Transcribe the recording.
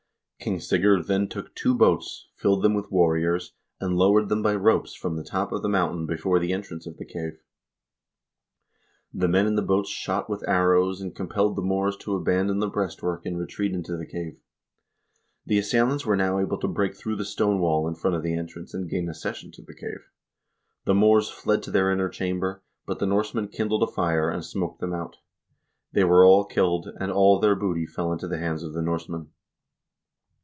King Sigurd then took two boats, filled them with warriors, and lowered them by ropes from the top of the mountain before the entrance to the cave. The men in the boats shot with arrows, and compelled the Moors to abandon the breastwork and retreat into the cave. The assailants were now able to break through the stone wall in front of the entrance, and gain accession to the cave. The Moors fled to their inner chamber, but the Norsemen kindled a fire, and smoked them out. They were all killed, and all their booty fell into the hands of the Norsemen.